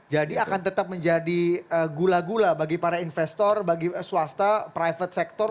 jadi akan tetap menjadi gula gula bagi para investor bagi swasta private sector